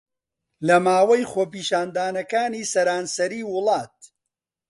لە ماوەی خۆپیشاندانەکانی سەرانسەری وڵات